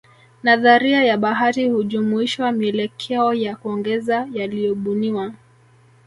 Nadharia ya bahati hujumuishwa mielekeo ya kuongeza yaliyobuniwa